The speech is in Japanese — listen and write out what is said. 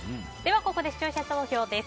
ここで視聴者投票です。